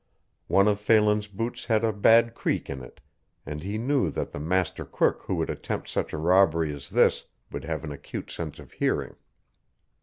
One of Phelan's boots had a bad creak in it, and he knew that the master crook who would attempt such a robbery as this would have an acute sense of hearing.